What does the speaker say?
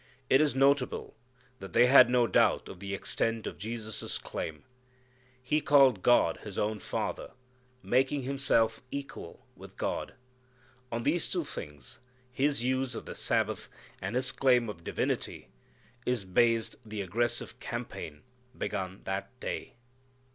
It is notable that they had no doubt of the extent of Jesus' claim; "He called God His own Father, making Himself equal with God." On these two things, His use of the Sabbath, and His claim of divinity, is based the aggressive campaign begun that day.